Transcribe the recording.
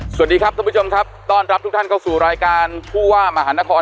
สวัสดีครับท่านผู้ชมครับต้อนรับทุกท่านเข้าสู่รายการผู้ว่ามหานคร